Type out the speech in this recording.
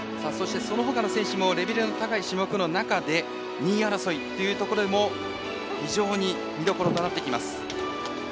そのほかの選手もレベルの高い選手がいる種目の中で２位争いというところも非常に見どころとなっています。